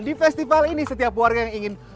di festival ini setiap warga yang ingin